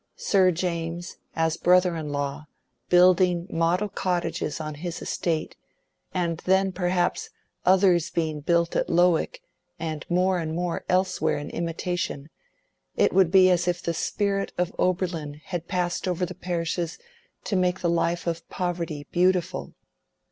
Sir James, as brother in law, building model cottages on his estate, and then, perhaps, others being built at Lowick, and more and more elsewhere in imitation—it would be as if the spirit of Oberlin had passed over the parishes to make the life of poverty beautiful!